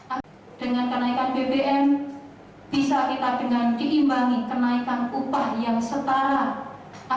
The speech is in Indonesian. karena dengan kenaikan bbm bisa kita dengan diimbangi kenaikan upah yang setara